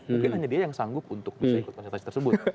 mungkin hanya dia yang sanggup untuk bisa ikut konsultasi tersebut